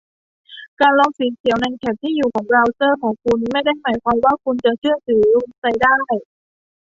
การล็อกสีเขียวในแถบที่อยู่ของเบราว์เซอร์ของคุณไม่ได้หมายความว่าคุณจะเชื่อถือเว็บไซต์ได้